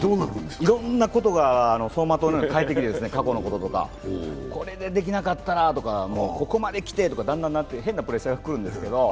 いろんなことが走馬灯のようにかえってきて、過去のこととか、これでできなかったらとか、ここまで来てとか、だんだんなって、変なプレッシャーが来るんですけど。